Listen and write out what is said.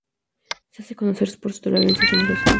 Se hace conocer por su tolerancia y generosidad.